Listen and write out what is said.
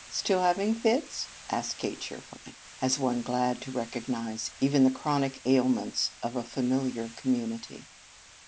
"Still having fits?" asked Kate cheerfully, as one glad to recognize even the chronic ailments of a familiar community.